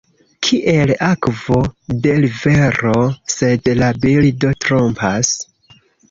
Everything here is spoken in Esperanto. Kiel akvo de l’ rivero – sed la bildo trompas.